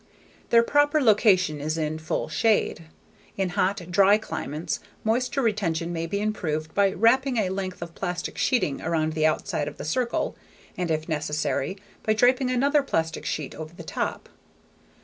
Their proper location is in full shade. In hot, dry climates, moisture retention can be improved by wrapping a length of plastic sheeting around the outside of the circle and if necessary, by draping another plastic sheet over the top.